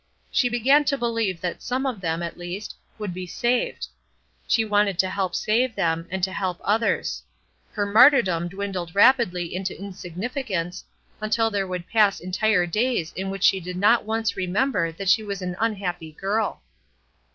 She began to believe that some of them, at least, would be saved. She wanted to help save them, and to help others. Her martyrdom dwindled rapidly into insignificance, until there would pass entire days in which she did not once remember that she as an unhappy girl.